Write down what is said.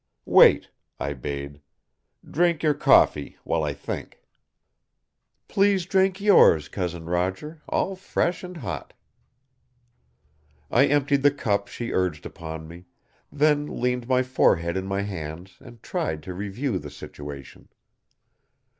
"Wait," I bade. "Drink your coffee while I think." "Please drink yours, Cousin Roger, all fresh and hot." I emptied the cup she urged upon me, then leaned my forehead in my hands and tried to review the situation.